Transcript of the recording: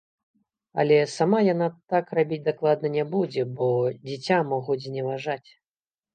Але сама яна так рабіць дакладна не будзе, бо дзіця могуць зневажаць.